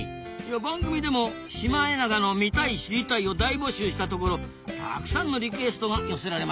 番組でも「シマエナガの見たい・知りたい」を大募集したところたくさんのリクエストが寄せられましたぞ。